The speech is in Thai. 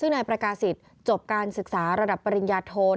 ซึ่งนายประกาศิษย์จบการศึกษาระดับปริญญาโทน